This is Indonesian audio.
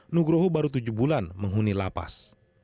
nugroho baru tujuh bulan menghuni lapas